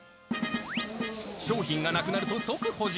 商品がなくなると、即補充。